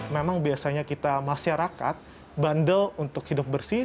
memang biasanya kita masyarakat bandel untuk hidup bersih